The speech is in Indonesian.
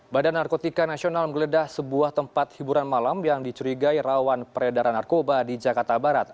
badan narkotika nasional menggeledah sebuah tempat hiburan malam yang dicurigai rawan peredaran narkoba di jakarta barat